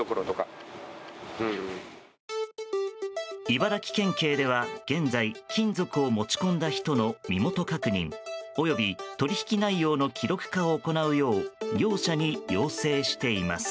茨城県警では現在金属を持ち込んだ人の身元確認及び取引内容の記録化を行うよう業者に要請しています。